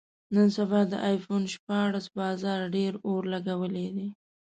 نن سبا د ایفون شپاړس بازار ډېر اور لګولی دی.